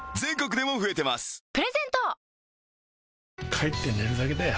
帰って寝るだけだよ